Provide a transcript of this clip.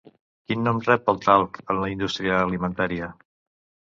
Quin nom rep el talc en la indústria alimentària?